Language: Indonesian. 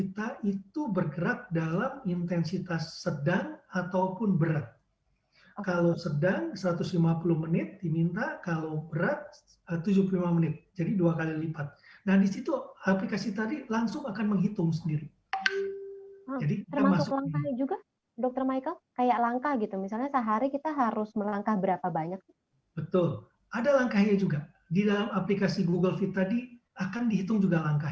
terima kasih mbak ika